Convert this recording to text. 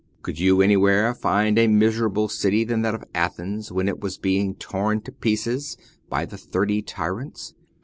Could you anywhere find a miserable city than that of Athens when it was being torn to pieces by the thirty tyrants